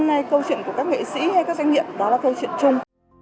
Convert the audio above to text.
hay câu chuyện của các nghệ sĩ hay các doanh nghiệp đó là câu chuyện chung